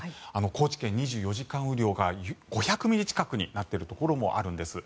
高知県、２４時間雨量が５００ミリ近くになっているところもあるんです。